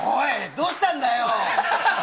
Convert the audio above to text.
どうしたんだよ？